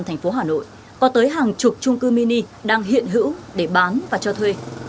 thành phố hà nội có tới hàng chục trung cư mini đang hiện hữu để bán và cho thuê